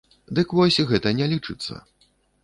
Дык вось, гэта не лічыцца.